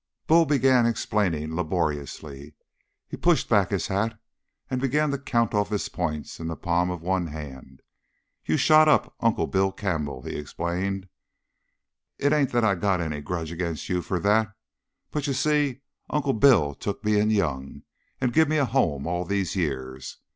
Bull began explaining laboriously. He pushed back his hat and began to count off his points into the palm of one hand. "You shot up Uncle Bill Campbell," he explained. "It ain't that I got any grudge agin' you for that, but you see, Uncle Bill took me in young and give me a home all these years.